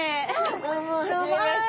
どうも初めまして。